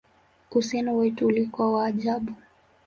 Uhusiano wetu ulikuwa wa ajabu!